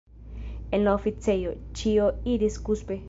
En la oficejo, ĉio iris kuspe.